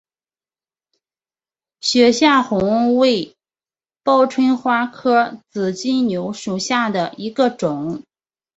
雪下红为报春花科紫金牛属下的一个种。